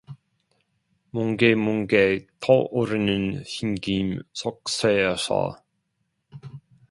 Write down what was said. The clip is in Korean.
뭉게뭉게 떠오르는 흰김 석쇠에서